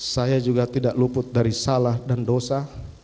saya juga tidak luput dari salah dan dosa